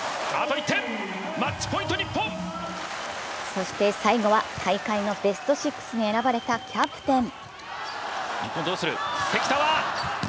そして最後は大会のベストシックスに選ばれたキャプテン。